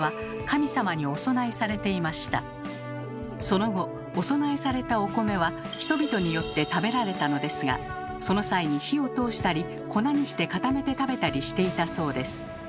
その後お供えされたお米は人々によって食べられたのですがその際に火を通したり粉にして固めて食べたりしていたそうです。